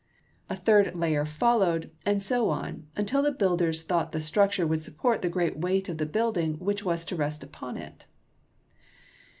A third layer followed, and so on until the builders thought the structure would support the great weight of the building which was to rest upon it.